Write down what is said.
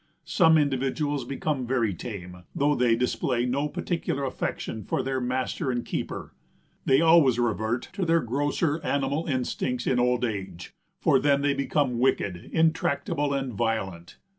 Some individuals become very tame, though they display no particular affection for their master and keeper. They always revert to their grosser animal instincts in old age, for then they become wicked, intractable and violent.